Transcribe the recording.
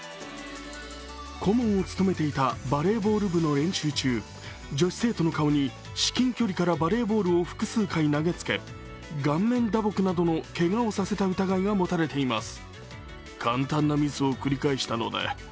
顧問を務めていたバレーボール部の練習中女子生徒の顔に至近距離からバレーボールを複数回投げつけ、顔面打撲などのけがをさせた疑いが持たれています。